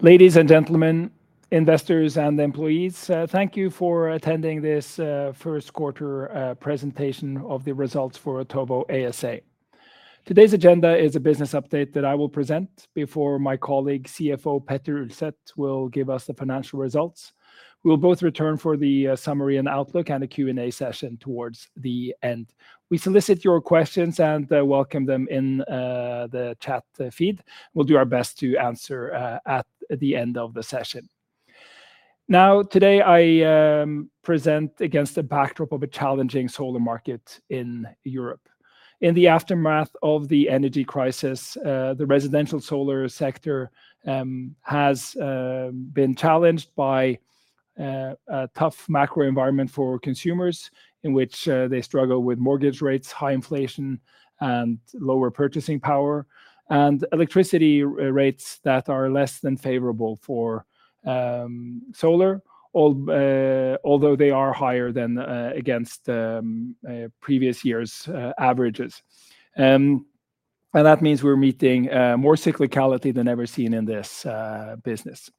Ladies and gentlemen, investors and employees, thank you for attending this, first quarter, presentation of the results for Otovo ASA. Today's agenda is a business update that I will present before my colleague, CFO Petter Ulset, will give us the financial results. We'll both return for the, summary and outlook and a Q&A session towards the end. We solicit your questions and, welcome them in, the chat feed. We'll do our best to answer, at the end of the session. Now, today, I present against the backdrop of a challenging solar market in Europe. In the aftermath of the energy crisis, the residential solar sector has been challenged by a tough macro environment for consumers, in which they struggle with mortgage rates, high inflation, and lower purchasing power, and electricity rates that are less than favorable for solar, although they are higher than against previous years' averages. That means we're meeting more cyclicality than ever seen in this business.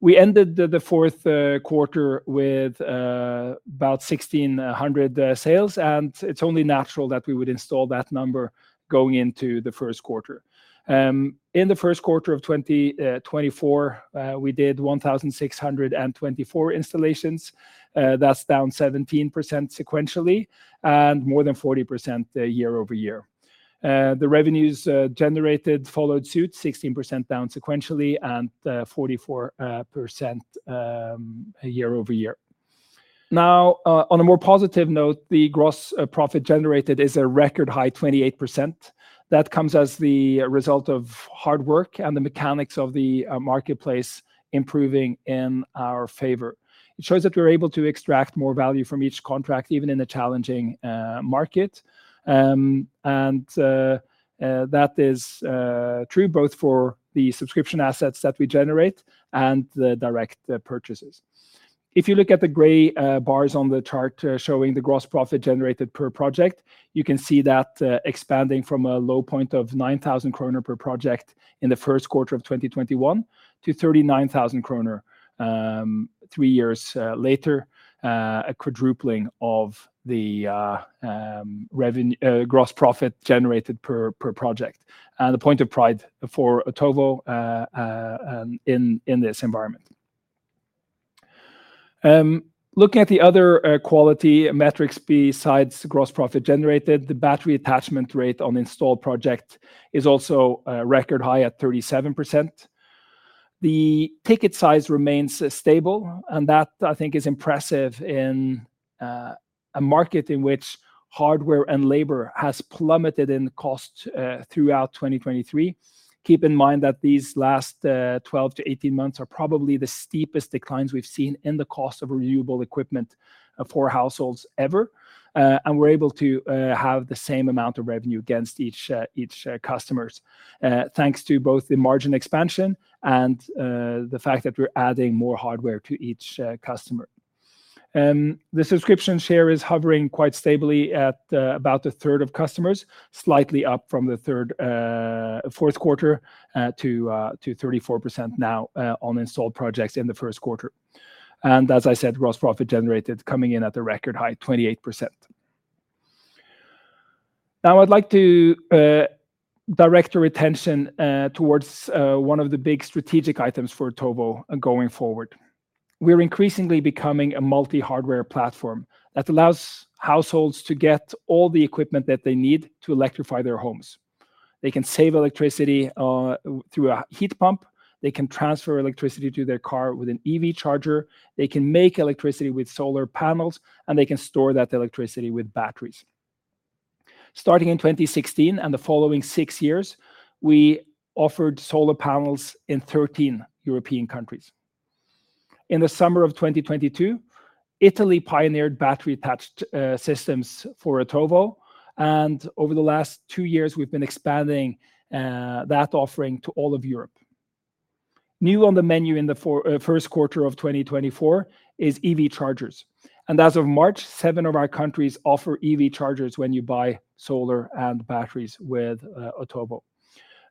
We ended the fourth quarter with about 1,600 sales, and it's only natural that we would install that number going into the first quarter. In the first quarter of 2024, we did 1,624 installations. That's down 17% sequentially, and more than 40% year-over-year. The revenues generated followed suit, 16% down sequentially and 44% year-over-year. Now, on a more positive note, the gross profit generated is a record high 28%. That comes as the result of hard work and the mechanics of the marketplace improving in our favor. It shows that we're able to extract more value from each contract, even in a challenging market. And that is true both for the subscription assets that we generate and the direct purchases. If you look at the gray bars on the chart showing the gross profit generated per project, you can see that expanding from a low point of 9,000 kroner per project in the first quarter of 2021 to 39,000 kroner three years later. A quadrupling of the gross profit generated per project, and a point of pride for Otovo in this environment. Looking at the other quality metrics besides gross profit generated, the battery attachment rate on installed project is also a record high at 37%. The ticket size remains stable, and that, I think, is impressive in a market in which hardware and labor has plummeted in cost throughout 2023. Keep in mind that these last 12-18 months are probably the steepest declines we've seen in the cost of renewable equipment for households ever. And we're able to have the same amount of revenue against each customers thanks to both the margin expansion and the fact that we're adding more hardware to each customer. The subscription share is hovering quite stably at about a third of customers, slightly up from the third to fourth quarter to 34% now, on installed projects in the first quarter. As I said, gross profit generated coming in at a record high 28%. Now I'd like to direct your attention towards one of the big strategic items for Otovo going forward. We're increasingly becoming a multi-hardware platform that allows households to get all the equipment that they need to electrify their homes. They can save electricity through a heat pump. They can transfer electricity to their car with an EV charger. They can make electricity with solar panels, and they can store that electricity with batteries. Starting in 2016 and the following six years, we offered solar panels in 13 European countries. In the summer of 2022, Italy pioneered battery-attached systems for Otovo, and over the last two years, we've been expanding that offering to all of Europe. New on the menu in the first quarter of 2024 is EV chargers, and as of March, 7 of our countries offer EV chargers when you buy solar and batteries with Otovo.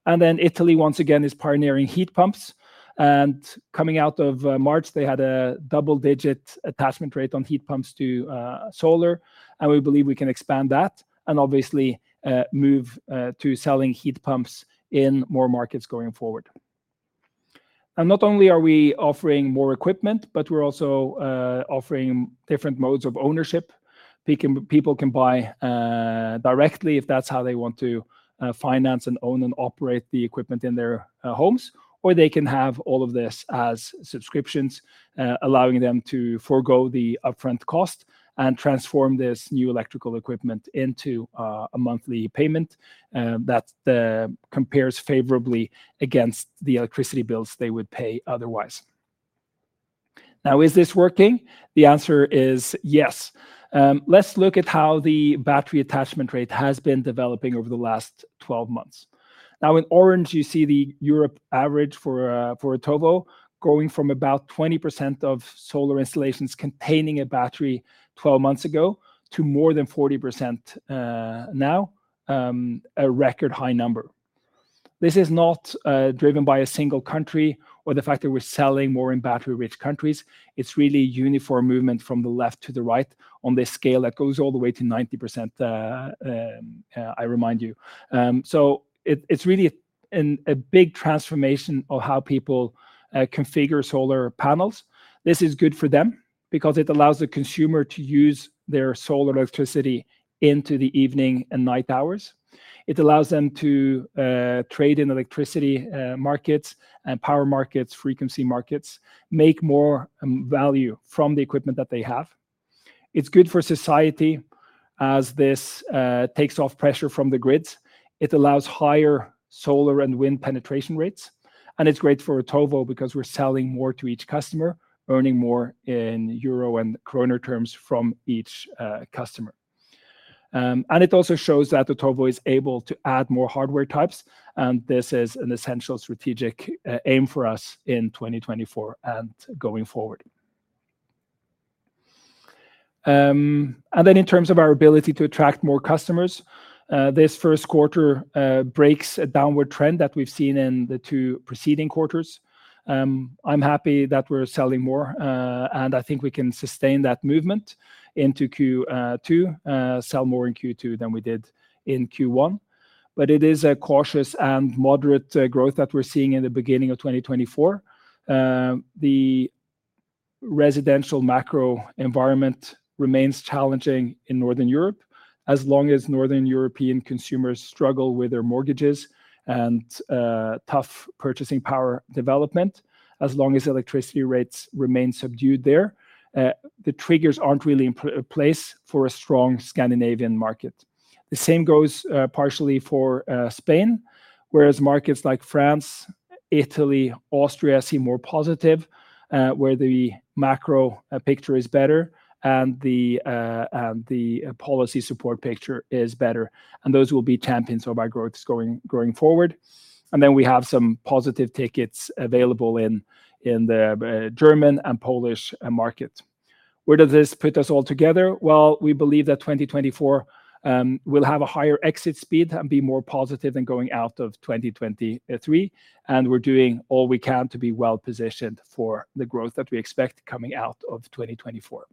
And then Italy, once again, is pioneering heat pumps, and coming out of March, they had a double-digit attachment rate on heat pumps to solar, and we believe we can expand that and obviously move to selling heat pumps in more markets going forward. And not only are we offering more equipment, but we're also offering different modes of ownership. People can buy directly if that's how they want to finance and own and operate the equipment in their homes, or they can have all of this as subscriptions, allowing them to forgo the upfront cost and transform this new electrical equipment into a monthly payment that compares favorably against the electricity bills they would pay otherwise. Now, is this working? The answer is yes. Let's look at how the battery attachment rate has been developing over the last 12 months. Now, in orange, you see the Europe average for Otovo, going from about 20% of solar installations containing a battery 12 months ago to more than 40% now, a record high number. This is not driven by a single country or the fact that we're selling more in battery-rich countries. It's really uniform movement from the left to the right on this scale that goes all the way to 90%. So it's really a big transformation of how people configure solar panels. This is good for them because it allows the consumer to use their solar electricity into the evening and night hours. It allows them to trade in electricity markets and power markets, frequency markets, make more value from the equipment that they have. It's good for society as this takes off pressure from the grids. It allows higher solar and wind penetration rates, and it's great for Otovo because we're selling more to each customer, earning more in euro and kroner terms from each customer. It also shows that Otovo is able to add more hardware types, and this is an essential strategic aim for us in 2024 and going forward. In terms of our ability to attract more customers, this first quarter breaks a downward trend that we've seen in the two preceding quarters. I'm happy that we're selling more, and I think we can sustain that movement into Q2, sell more in Q2 than we did in Q1. It is a cautious and moderate growth that we're seeing in the beginning of 2024. The residential macro environment remains challenging in Northern Europe. As long as Northern European consumers struggle with their mortgages and tough purchasing power development, as long as electricity rates remain subdued there, the triggers aren't really in place for a strong Scandinavian market. The same goes partially for Spain, whereas markets like France, Italy, Austria, see more positive, where the macro picture is better and the policy support picture is better, and those will be champions of our growth going forward. And then we have some positive tickets available in the German and Polish market. Where does this put us all together? Well, we believe that 2024 will have a higher exit speed and be more positive than going out of 2023, and we're doing all we can to be well-positioned for the growth that we expect coming out of 2024.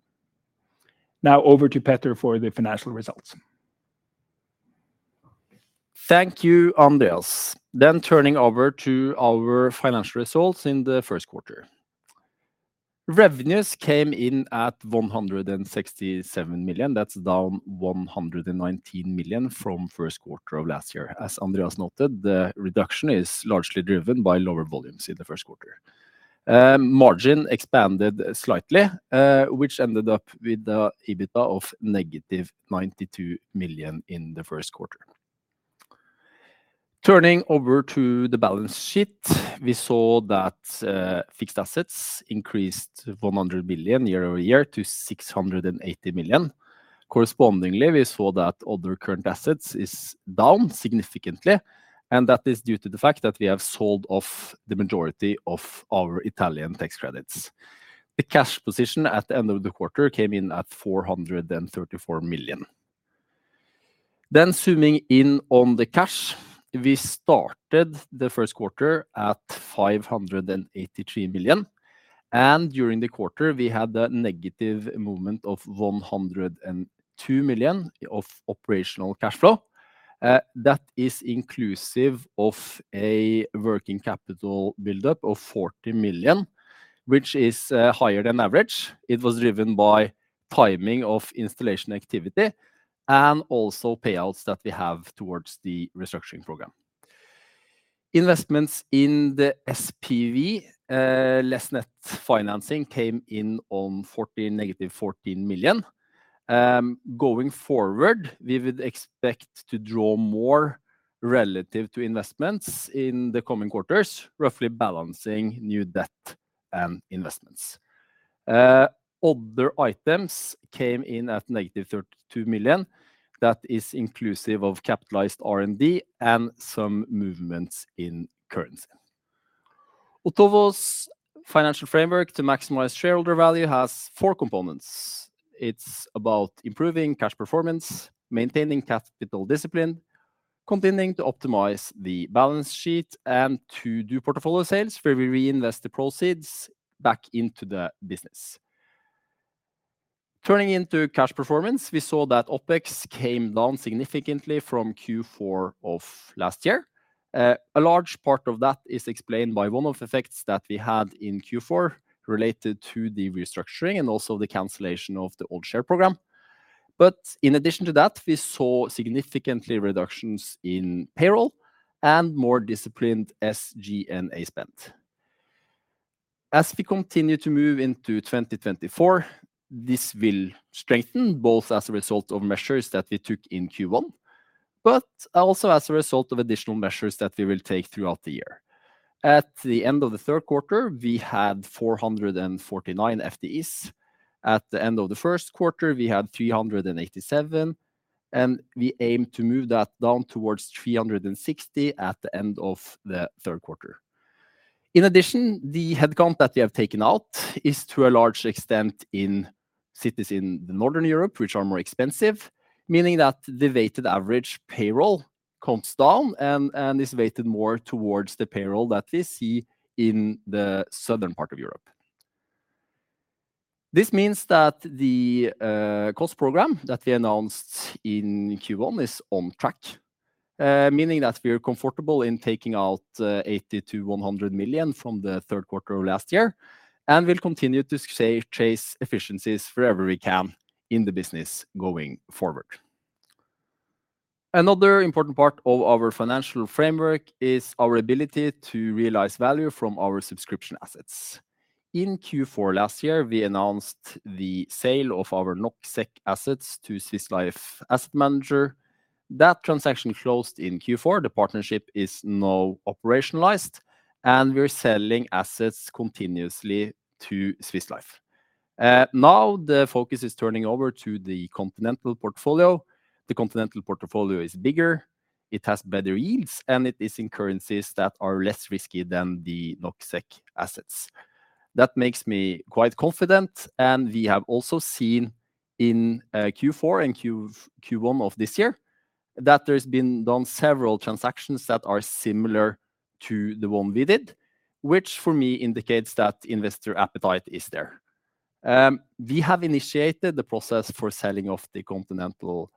Now over to Petter for the financial results. Thank you, Andreas. Then turning over to our financial results in the first quarter. Revenues came in at 167 million. That's down 119 million from first quarter of last year. As Andreas noted, the reduction is largely driven by lower volumes in the first quarter. Margin expanded slightly, which ended up with the EBITDA of -92 million in the first quarter. Turning over to the balance sheet, we saw that, fixed assets increased 100 million year-over-year to 680 million. Correspondingly, we saw that other current assets is down significantly, and that is due to the fact that we have sold off the majority of our Italian tax credits. The cash position at the end of the quarter came in at 434 million. Then zooming in on the cash, we started the first quarter at 583 million, and during the quarter, we had a negative movement of 102 million of operational cash flow. That is inclusive of a working capital buildup of 40 million, which is higher than average. It was driven by timing of installation activity and also payouts that we have towards the restructuring program. Investments in the SPV, less net financing came in on 40, -14 million. Going forward, we would expect to draw more relative to investments in the coming quarters, roughly balancing new debt and investments. Other items came in at -32 million. That is inclusive of capitalized R&D and some movements in currency. Otovo's financial framework to maximize shareholder value has four components. It's about improving cash performance, maintaining capital discipline, continuing to optimize the balance sheet, and to do portfolio sales, where we reinvest the proceeds back into the business. Turning into cash performance, we saw that OpEx came down significantly from Q4 of last year. A large part of that is explained by one of the effects that we had in Q4 related to the restructuring and also the cancellation of the old share program. But in addition to that, we saw significantly reductions in payroll and more disciplined SG&A spend. As we continue to move into 2024, this will strengthen, both as a result of measures that we took in Q1, but also as a result of additional measures that we will take throughout the year. At the end of the third quarter, we had 449 FTEs. At the end of the first quarter, we had 387, and we aim to move that down towards 360 at the end of the third quarter. In addition, the headcount that we have taken out is to a large extent in cities in Northern Europe, which are more expensive, meaning that the weighted average payroll comes down and is weighted more towards the payroll that we see in the southern part of Europe. This means that the cost program that we announced in Q1 is on track, meaning that we are comfortable in taking out 80 million-100 million from the third quarter of last year, and we'll continue to chase efficiencies wherever we can in the business going forward. Another important part of our financial framework is our ability to realize value from our subscription assets. In Q4 last year, we announced the sale of our Nordic assets to Swiss Life Asset Managers. That transaction closed in Q4. The partnership is now operationalized, and we're selling assets continuously to Swiss Life. Now the focus is turning over to the Continental portfolio. The Continental portfolio is bigger, it has better yields, and it is in currencies that are less risky than the Nordic assets. That makes me quite confident, and we have also seen in Q4 and Q1 of this year, that there's been done several transactions that are similar to the one we did, which for me indicates that investor appetite is there. We have initiated the process for selling off the Continental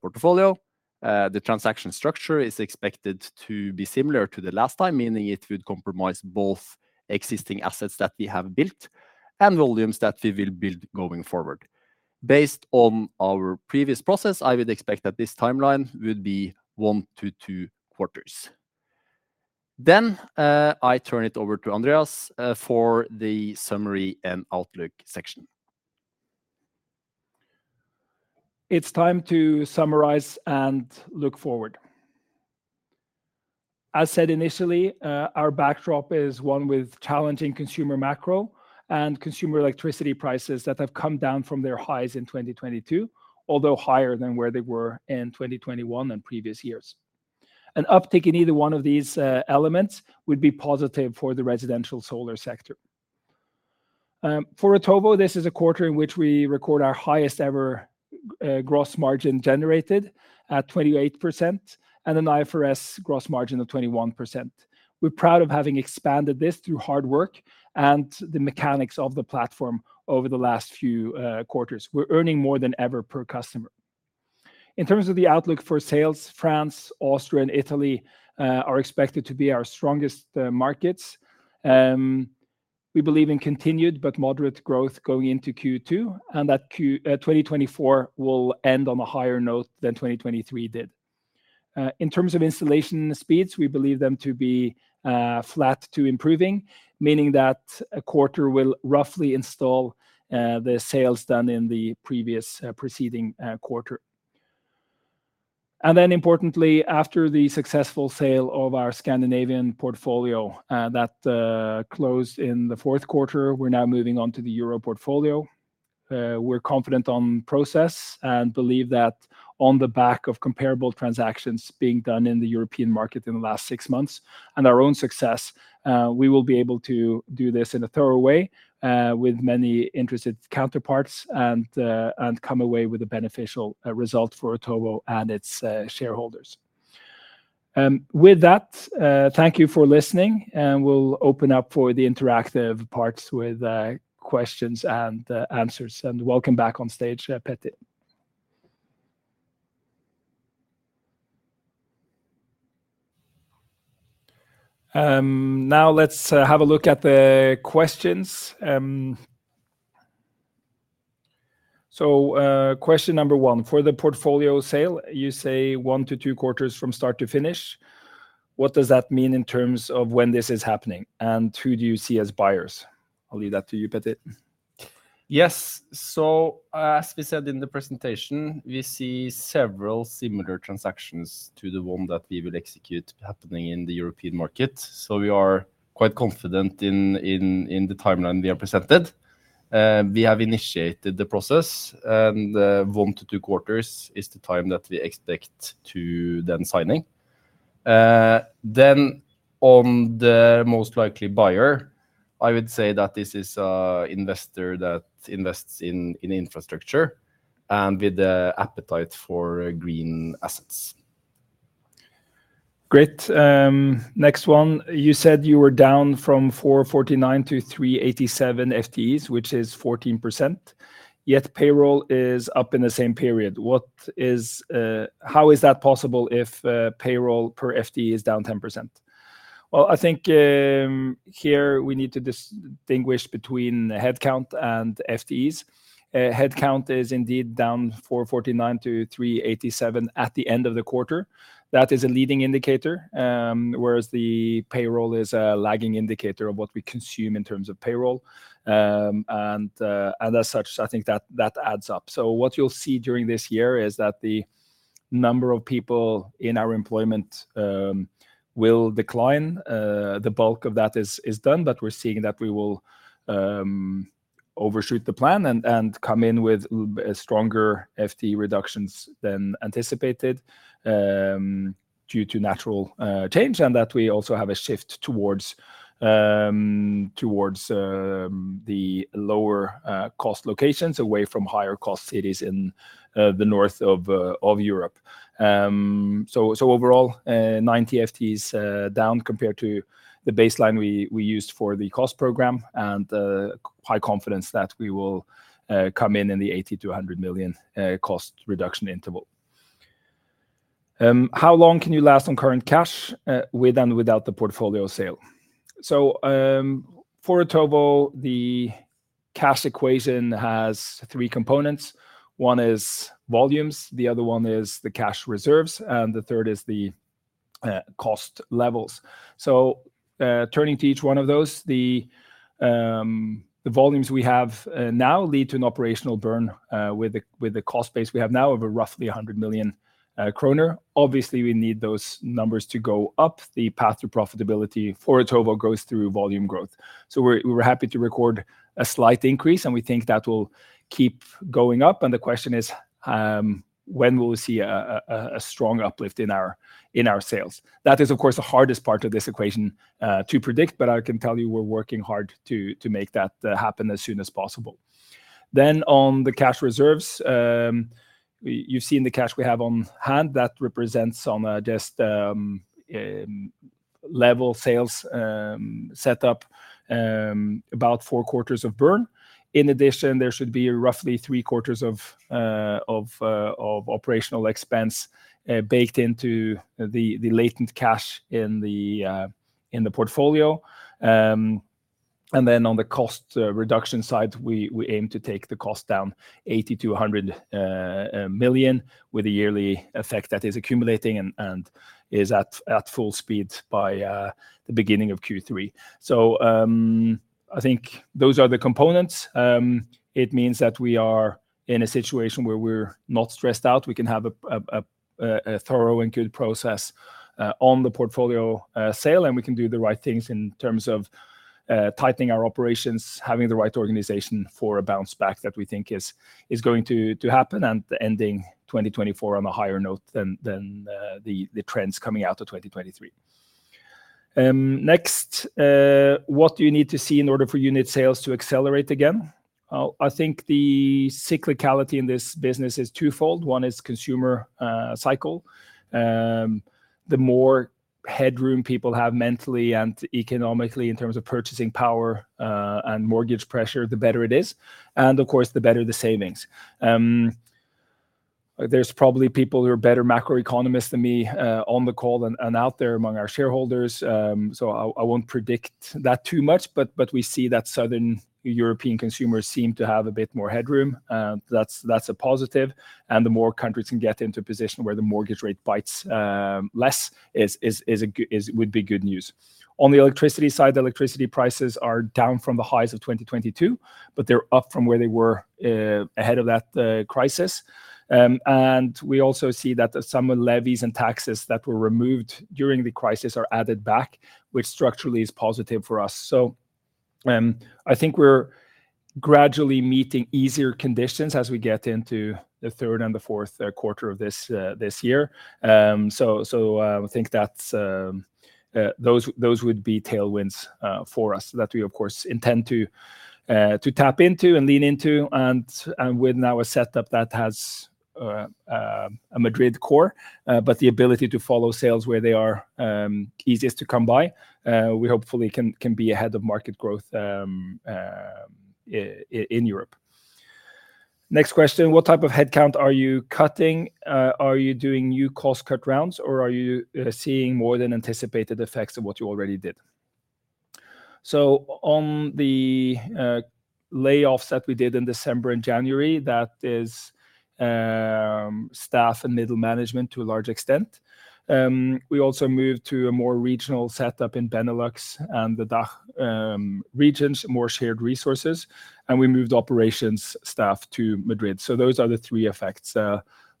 portfolio. The transaction structure is expected to be similar to the last time, meaning it would compromise both existing assets that we have built and volumes that we will build going forward. Based on our previous process, I would expect that this timeline would be one to two quarters. Then, I turn it over to Andreas, for the summary and outlook section. It's time to summarize and look forward. As said initially, our backdrop is one with challenging consumer macro and consumer electricity prices that have come down from their highs in 2022, although higher than where they were in 2021 and previous years. An uptick in either one of these elements would be positive for the residential solar sector. For Otovo, this is a quarter in which we record our highest-ever gross margin generated at 28%, and an IFRS gross margin of 21%. We're proud of having expanded this through hard work and the mechanics of the platform over the last few quarters. We're earning more than ever per customer. In terms of the outlook for sales, France, Austria, and Italy are expected to be our strongest markets. We believe in continued but moderate growth going into Q2, and that Q... 2024 will end on a higher note than 2023 did. In terms of installation speeds, we believe them to be flat to improving, meaning that a quarter will roughly install the sales done in the previous preceding quarter. And then importantly, after the successful sale of our Scandinavian portfolio that closed in the fourth quarter, we're now moving on to the Euro portfolio. We're confident on process and believe that on the back of comparable transactions being done in the European market in the last six months and our own success, we will be able to do this in a thorough way with many interested counterparts, and and come away with a beneficial result for Otovo and its shareholders. With that, thank you for listening, and we'll open up for the interactive parts with questions and answers. And welcome back on stage, Petter. Now let's have a look at the questions. So, question number one: for the portfolio sale, you say one to two quarters from start to finish. What does that mean in terms of when this is happening, and who do you see as buyers? I'll leave that to you, Petter. Yes. So as we said in the presentation, we see several similar transactions to the one that we will execute happening in the European market, so we are quite confident in the timeline we have presented. We have initiated the process, and one to two quarters is the time that we expect to then signing. Then on the most likely buyer, I would say that this is an investor that invests in infrastructure and with the appetite for green assets. Great. Next one. You said you were down from 449 to 387 FTEs, which is 14%, yet payroll is up in the same period. What is... how is that possible if, payroll per FTE is down 10%? Well, I think, here we need to distinguish between the headcount and FTEs. Headcount is indeed down 449 to 387 at the end of the quarter. That is a leading indicator, whereas the payroll is a lagging indicator of what we consume in terms of payroll. And, and as such, I think that, that adds up. So what you'll see during this year is that the number of people in our employment, will decline. The bulk of that is, is done, but we're seeing that we will,... overshoot the plan and come in with a stronger FTE reductions than anticipated, due to natural change, and that we also have a shift towards the lower cost locations, away from higher cost cities in the north of Europe. So overall, 90 FTEs down compared to the baseline we used for the cost program, and high confidence that we will come in in the 80 million-100 million cost reduction interval. How long can you last on current cash with and without the portfolio sale? So, for Otovo, the cash equation has three components. One is volumes, the other one is the cash reserves, and the third is the cost levels. So, turning to each one of those, the volumes we have now lead to an operational burn with the cost base we have now of roughly 100 million kroner. Obviously, we need those numbers to go up. The path to profitability for Otovo goes through volume growth. So we're happy to record a slight increase, and we think that will keep going up, and the question is, when will we see a strong uplift in our sales? That is, of course, the hardest part of this equation to predict, but I can tell you we're working hard to make that happen as soon as possible. Then on the cash reserves, you've seen the cash we have on hand. That represents on a just level sales set up about four quarters of burn. In addition, there should be roughly three quarters of operational expense baked into the latent cash in the portfolio. And then on the cost reduction side, we aim to take the cost down 80 million-100 million, with a yearly effect that is accumulating and is at full speed by the beginning of Q3. So, I think those are the components. It means that we are in a situation where we're not stressed out. We can have a thorough and good process on the portfolio sale, and we can do the right things in terms of tightening our operations, having the right organization for a bounce back that we think is going to happen, and ending 2024 on a higher note than the trends coming out of 2023. Next, what do you need to see in order for unit sales to accelerate again? I think the cyclicality in this business is twofold. One is consumer cycle. The more headroom people have mentally and economically in terms of purchasing power and mortgage pressure, the better it is, and of course, the better the savings. There's probably people who are better macroeconomists than me on the call and out there among our shareholders, so I won't predict that too much, but we see that Southern European consumers seem to have a bit more headroom. That's a positive, and the more countries can get into a position where the mortgage rate bites less would be good news. On the electricity side, the electricity prices are down from the highs of 2022, but they're up from where they were ahead of that crisis. And we also see that some levies and taxes that were removed during the crisis are added back, which structurally is positive for us. I think we're gradually meeting easier conditions as we get into the third and the fourth quarter of this year. I think that's those would be tailwinds for us that we of course intend to tap into and lean into and with now a setup that has a Madrid core. But the ability to follow sales where they are easiest to come by, we hopefully can be ahead of market growth in Europe. Next question: What type of headcount are you cutting? Are you doing new cost cut rounds, or are you seeing more than anticipated effects of what you already did? So on the layoffs that we did in December and January, that is, staff and middle management to a large extent. We also moved to a more regional setup in Benelux and the DACH regions, more shared resources, and we moved operations staff to Madrid. So those are the three effects.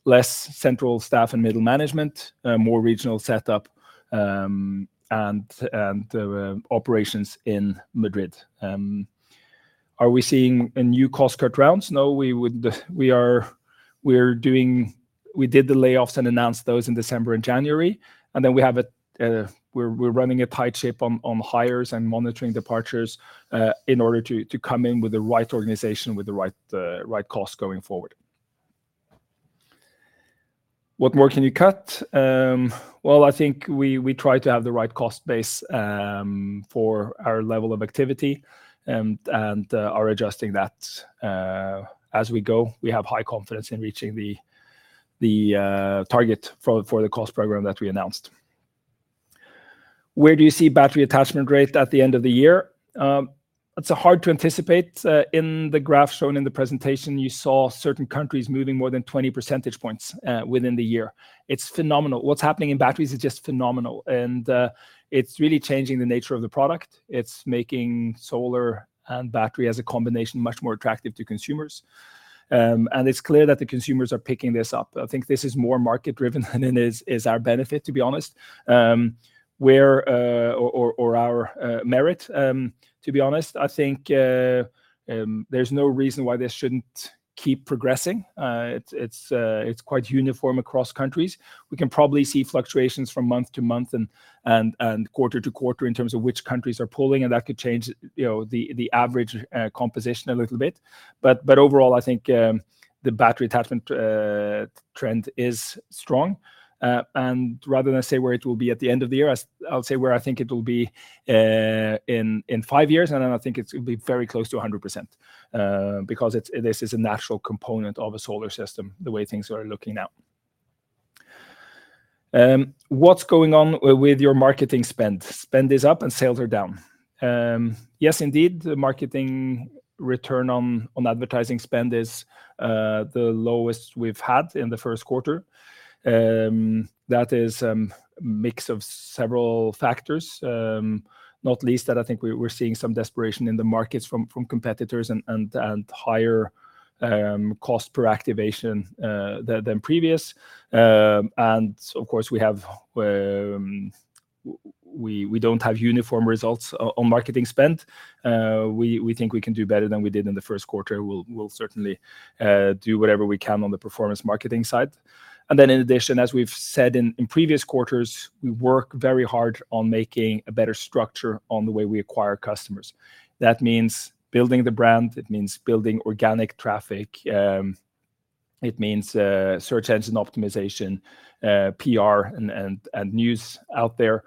Less central staff and middle management, more regional setup, and the operations in Madrid. Are we seeing a new cost-cutting rounds? No, we're doing... We did the layoffs and announced those in December and January, and then we have a, we're running a tight ship on hires and monitoring departures, in order to come in with the right organization, with the right cost going forward. What more can you cut? Well, I think we, we try to have the right cost base, for our level of activity and, and, are adjusting that, as we go. We have high confidence in reaching the, the, target for, for the cost program that we announced. Where do you see battery attachment rate at the end of the year? It's hard to anticipate. In the graph shown in the presentation, you saw certain countries moving more than 20 percentage points, within the year. It's phenomenal. What's happening in batteries is just phenomenal, and, it's really changing the nature of the product. It's making solar and battery as a combination much more attractive to consumers. And it's clear that the consumers are picking this up. I think this is more market-driven than it is, is our benefit, to be honest. To be honest, I think there's no reason why this shouldn't keep progressing. It's quite uniform across countries. We can probably see fluctuations from month to month and quarter to quarter in terms of which countries are pulling, and that could change, you know, the average composition a little bit. But overall, I think the battery attachment trend is strong. And rather than say where it will be at the end of the year, I'll say where I think it will be in five years, and then I think it's going to be very close to 100%, because it's this is a natural component of a solar system, the way things are looking now. What's going on with your marketing spend? Spend is up and sales are down. Yes, indeed, the marketing return on advertising spend is the lowest we've had in the first quarter. That is a mix of several factors, not least that I think we're seeing some desperation in the markets from competitors and higher cost per activation than previous. And of course, we don't have uniform results on marketing spend. We think we can do better than we did in the first quarter. We'll certainly do whatever we can on the performance marketing side. And then in addition, as we've said in previous quarters, we work very hard on making a better structure on the way we acquire customers. That means building the brand, it means building organic traffic, it means search engine optimization, PR and news out there.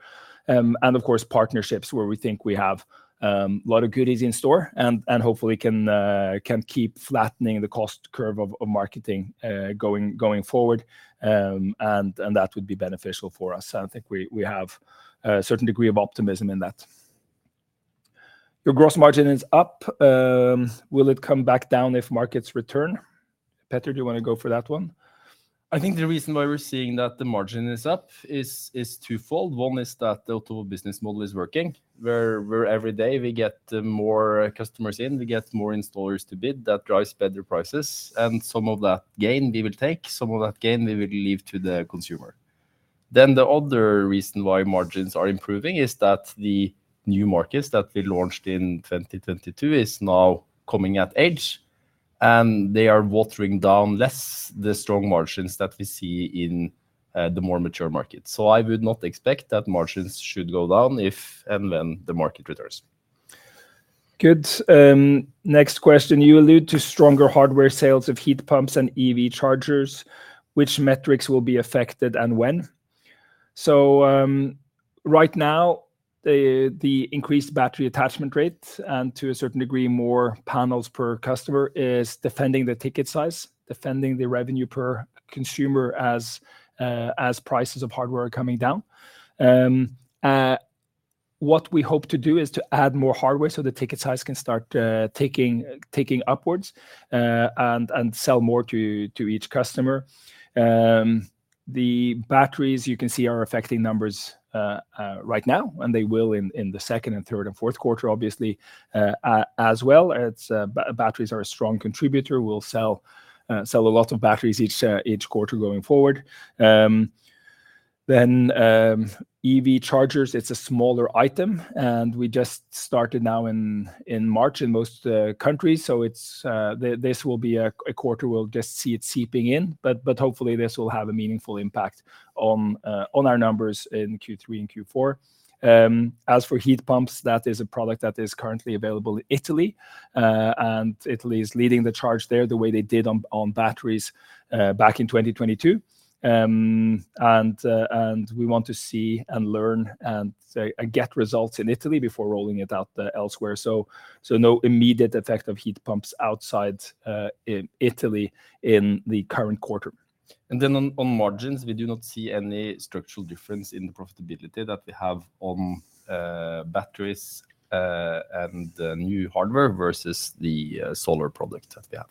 And of course, partnerships where we think we have a lot of goodies in store, and hopefully can keep flattening the cost curve of marketing going forward. And that would be beneficial for us, and I think we have a certain degree of optimism in that. Your gross margin is up. Will it come back down if markets return? Petter, do you want to go for that one? I think the reason why we're seeing that the margin is up is twofold. One is that the Otovo business model is working, where every day we get more customers in, we get more installers to bid, that drives better prices, and some of that gain we will take, some of that gain we will leave to the consumer. Then the other reason why margins are improving is that the new markets that we launched in 2022 is now coming at age, and they are watering down less the strong margins that we see in the more mature markets. So I would not expect that margins should go down if, and when the market returns. Good. Next question: You allude to stronger hardware sales of heat pumps and EV chargers. Which metrics will be affected and when? So, right now, the increased battery attachment rate, and to a certain degree, more panels per customer, is defending the ticket size, defending the revenue per consumer as, as prices of hardware are coming down. What we hope to do is to add more hardware so the ticket size can start taking upwards, and sell more to each customer. The batteries, you can see, are affecting numbers right now, and they will in the second and third and fourth quarter, obviously, as well. Batteries are a strong contributor. We'll sell a lot of batteries each quarter going forward. Then, EV chargers, it's a smaller item, and we just started now in March in most countries, so this will be a quarter we'll just see it seeping in, but hopefully this will have a meaningful impact on our numbers in Q3 and Q4. As for heat pumps, that is a product that is currently available in Italy, and Italy is leading the charge there the way they did on batteries back in 2022. And we want to see and learn and get results in Italy before rolling it out elsewhere. So no immediate effect of heat pumps outside in Italy in the current quarter. And then on margins, we do not see any structural difference in the profitability that we have on batteries and new hardware versus the solar product that we have.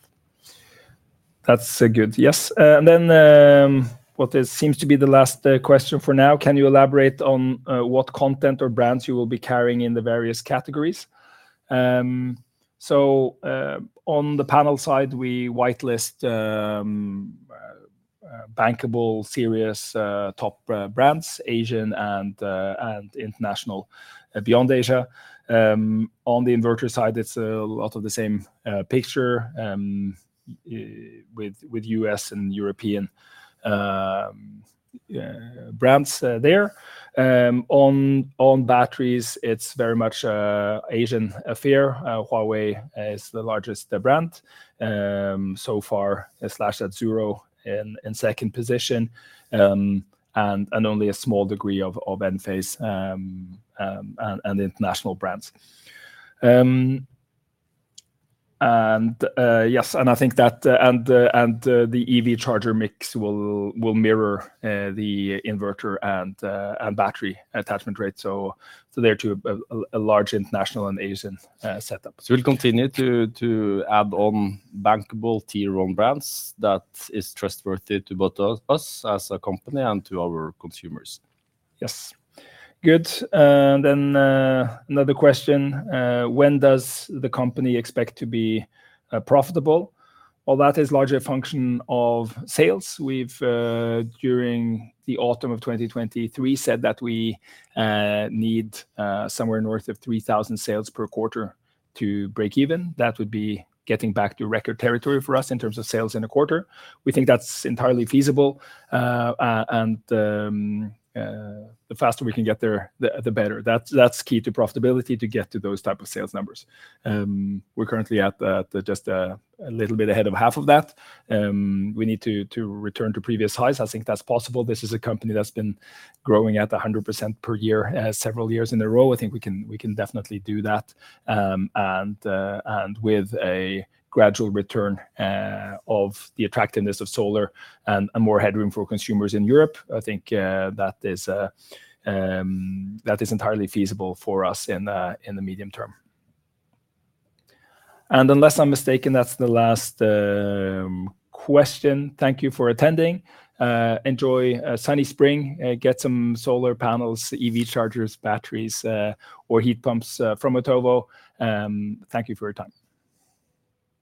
That's so good. Yes, and then, what seems to be the last question for now: Can you elaborate on what content or brands you will be carrying in the various categories? So, on the panel side, we whitelist bankable, serious, top brands, Asian and international beyond Asia. On the inverter side, it's a lot of the same picture with U.S. and European brands there. On batteries, it's very much an Asian affair. Huawei is the largest brand so far, Sungrow in second position. And only a small degree of Enphase and international brands. Yes, and I think that the EV charger mix will mirror the inverter and battery attachment rate. So there, too, a large international and Asian setup. We'll continue to add on bankable tier one brands that is trustworthy to both us as a company and to our consumers. Yes. Good. Then, another question: When does the company expect to be profitable? Well, that is largely a function of sales. We've, during the autumn of 2023, said that we need somewhere north of 3,000 sales per quarter to break even. That would be getting back to record territory for us in terms of sales in a quarter. We think that's entirely feasible. And the faster we can get there, the better. That's key to profitability, to get to those type of sales numbers. We're currently at just a little bit ahead of half of that. We need to return to previous highs. I think that's possible. This is a company that's been growing at 100% per year several years in a row. I think we can definitely do that, and with a gradual return of the attractiveness of solar and more headroom for consumers in Europe, I think that is entirely feasible for us in the medium term. And unless I'm mistaken, that's the last question. Thank you for attending. Enjoy a sunny spring. Get some solar panels, EV chargers, batteries, or heat pumps from Otovo. Thank you for your time.